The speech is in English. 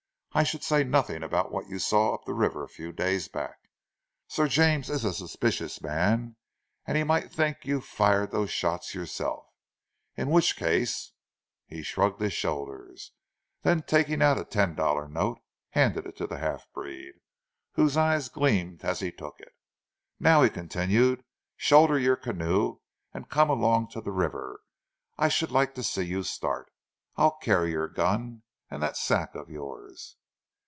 I should say nothing about what you saw up the river a few days back. Sir James is a suspicious man and he might think that you fired those shots yourself in which case " He shrugged his shoulders, then taking out a ten dollar note, handed it to the half breed, whose eyes gleamed as he took it. "Now," he continued, "shoulder your canoe, and come along to the river. I should like to see you start. I'll carry your gun, and that sack of yours."